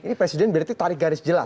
ini presiden berarti tarik garis jelas